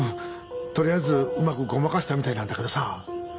とりあえずうまくごまかしたみたいなんだけどさ。